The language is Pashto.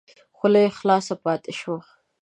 خوله یې خلاصه پاته شوه !